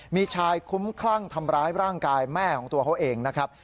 มีชายคุ้มคลั่งทำร้ายร่างกายแม่ของตัวเขาเองนะครับ